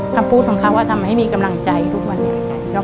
คำพูดของเขาว่าทำให้มีกำลังใจทุกวันนี้